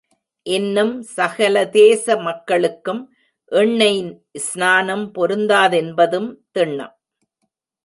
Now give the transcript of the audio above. இன்னும் சகலதேச மக்களுக்கும் எண்ணெய் ஸ்நானம் பொருந்தாதென்பதும் திண்ணம்.